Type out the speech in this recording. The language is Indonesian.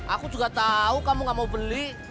aku juga tahu kamu gak mau beli